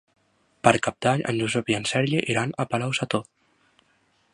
Per Cap d'Any en Josep i en Sergi iran a Palau-sator.